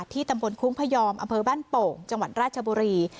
ตำบลคุ้งพยอมอำเภอบ้านโป่งจังหวัดราชบุรี